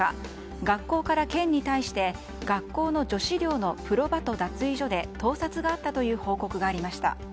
学校から県に対して学校の女子寮の風呂場と脱衣所で盗撮があったという報告がありました。